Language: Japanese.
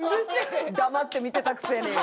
黙って見てたくせに。